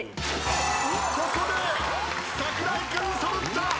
ここで櫻井君揃った！